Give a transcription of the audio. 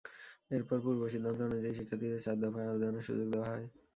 এরপর পূর্ব সিদ্ধান্ত অনুযায়ী শিক্ষার্থীদের চার দফায় আবেদনের সুযোগ দেওয়া হয়।